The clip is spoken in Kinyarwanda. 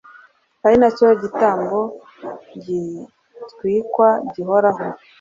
ari na cyo gitambo gitwikwa gihoraho.